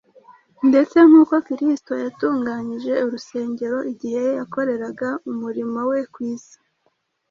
ndetse nk’uko kristo yatunganyije urusengero igihe yakoreraga umurimo we ku isi.